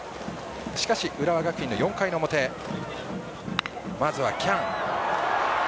しかし、浦和学院の４回の表まずは、喜屋武。